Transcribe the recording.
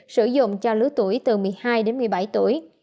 sử dụng cho lứa tuổi từ một mươi hai đến một mươi bảy tuổi